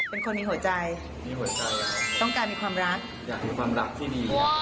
เป็นคนมีหัวใจมีหัวใจต้องการมีความรักอยากมีความรักที่ดี